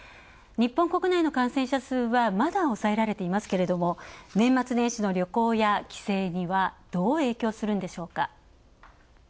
日本国内の感染者数はまだ抑えられていますけれども年末年始の旅行や帰省にはどう影響するんでしょうか。